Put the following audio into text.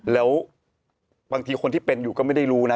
แล้วบางทีคนที่เป็นอยู่ก็ไม่ได้รู้นะ